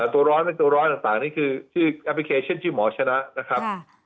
ตัวร้อยเป็นตัวร้อยต่างนี่คือชื่อแอปพลิเคชันชื่อหมอชนะนะครับ